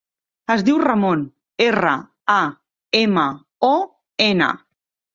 Es diu Ramon: erra, a, ema, o, ena.